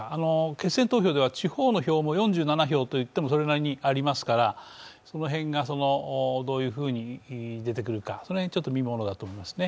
決選投票では地方の票も４７票とそれなりにありますから、その辺がどういうふうに出てくるか、その辺、見物だと思いますね。